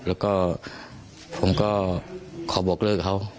แล้วก็ผมก็ขอบอกเลิกเขา